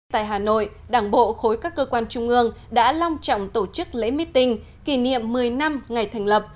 tại hà nội đảng bộ khối các cơ quan trung ương đã long trọng tổ chức lễ meeting kỷ niệm một mươi năm ngày thành lập